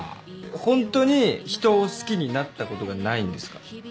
ほんとに人を好きになったことがないんですか？